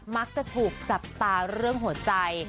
มักจะถูกจับตาเรื่องหัวใจ